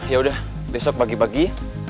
ya udah besok pagi bagi